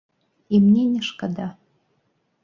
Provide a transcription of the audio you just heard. І мне не шкада.